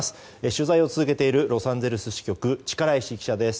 取材を続けているロサンゼルス支局の力石記者です。